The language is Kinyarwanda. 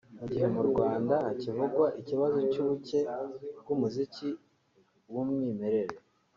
Mu gihe mu Rwanda hakivugwa ikibazo cy’ubuke bw’umuziki w’umwimerere